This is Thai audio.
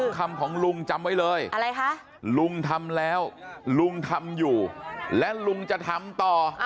คำของลุงจำไว้เลยอะไรคะลุงทำแล้วลุงทำอยู่และลุงจะทำต่อ